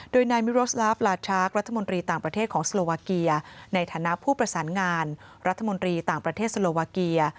โดยนายมิโรสลาฟลาชาร์ครัฐมนตรีต่างประเทศของสโลวาเกียในฐานะผู้ประสานงานรัฐมนตรีต่างประเทศสโลวาเกีย